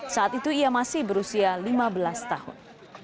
saat itu ia masih berusia lima belas tahun